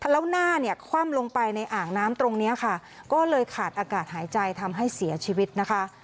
แล้วหน้าเนี่ยคว่ำลงไปในอ่างน้ำตรงนี้ค่ะก็เลยขาดอากาศหายใจทำให้เสียชีวิตนะคะ